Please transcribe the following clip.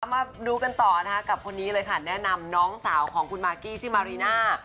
มาดูกันต่อกับคนนี้เลยค่ะแนะนำน้องสาวของคุณมาริน่า